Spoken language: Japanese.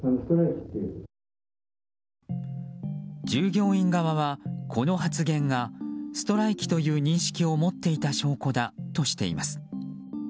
従業員側は、この発言がストライキという認識を持っていた証拠だとしています。